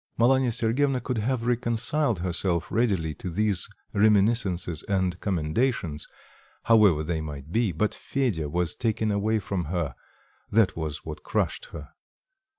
Malanya Sergyevna could have reconciled herself readily to these reminiscences and commendations, however they might be but Fedya was taken away from her, that was what crushed her.